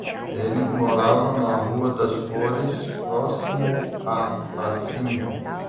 Ele morava na Rua das Flores, próximo à pracinha.